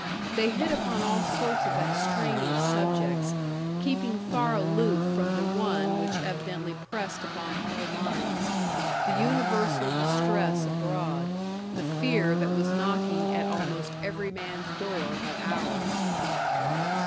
They hit upon all sorts of extraneous subjects, keeping far aloof from the one which evidently pressed upon all minds the universal distress abroad, the fear that was knocking at almost every man's door but ours.